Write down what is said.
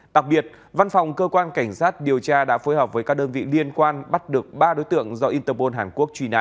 đặc biệt văn phòng cơ quan cảnh sát điều tra đã phối hợp với các đơn vị liên quan bắt được ba đối tượng do interpol hàn quốc truy nã